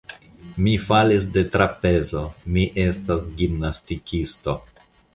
Mi falis de trapezo, mi estas gimnastikisto.